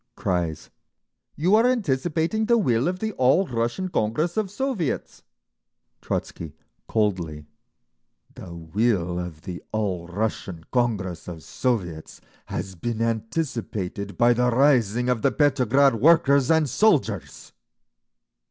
Cries, "You are anticipating the will of the All Russian Congress of Soviets!" Trotzky, coldly, "The will of the All Russian Congress of Soviets has been anticipated by the rising of the Petrograd workers and soldiers!"